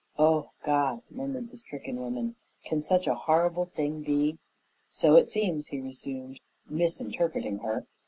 "O God!" murmured the stricken woman. "Can such a horrible thing be?" "So it seems," he resumed, misinterpreting her.